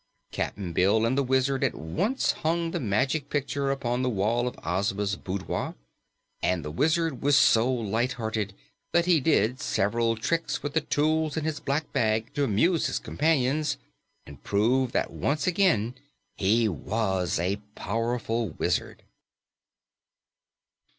Cap'n Bill and the Wizard at once hung the Magic Picture upon the wall of Ozma's boudoir, and the Wizard was so light hearted that he did several tricks with the tools in his black bag to amuse his companions and prove that once again he was a powerful wizard.